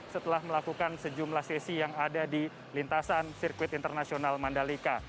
setelah melakukan sejumlah sesi yang ada di lintasan sirkuit internasional mandalika